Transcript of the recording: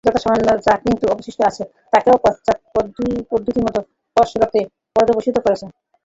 যৎসামান্য যা কিছু অবশিষ্ট আছে, তাকেও পাশ্চাত্য পদ্ধতিমত কসরতে পর্যবসিত করেছে।